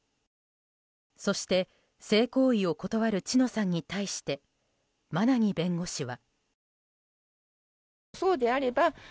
そして、性行為を断る知乃さんに対して馬奈木弁護士は。